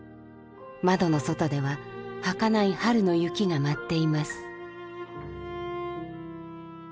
窓の外でははかない春の雪が舞っています。